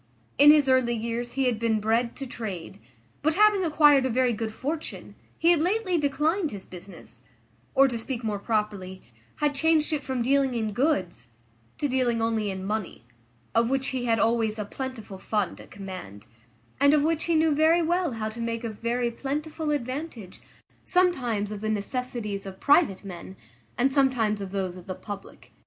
In his early years he had been bred to trade; but, having acquired a very good fortune, he had lately declined his business; or, to speak more properly, had changed it from dealing in goods, to dealing only in money, of which he had always a plentiful fund at command, and of which he knew very well how to make a very plentiful advantage, sometimes of the necessities of private men, and sometimes of those of the public.